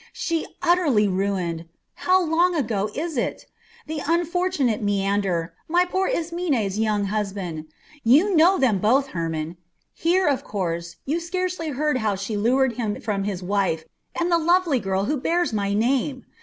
She utterly ruined how long ago is it? the unfortunate Menander, my poor Ismene's young husband. You know them both, Hermon. Here, of course, you scarcely heard how she lured him from his wife and the lovely little girl who bears my name.